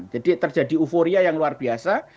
jadi terjadi euforia yang luar biasa